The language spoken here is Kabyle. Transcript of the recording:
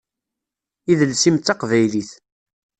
Idles-im d taqbaylit.